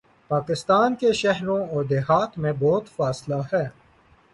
پاکستان کے شہروں اوردیہات میں بہت فاصلہ ہے۔